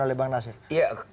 jadi itu yang kita lakukan